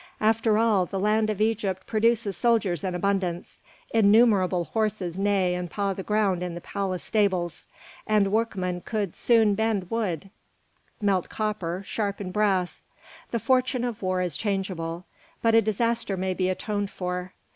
After all, the land of Egypt produces soldiers in abundance; innumerable horses neigh and paw the ground in the palace stables; and workmen could soon bend wood, melt copper, sharpen brass. The fortune of war is changeable, but a disaster may be atoned for.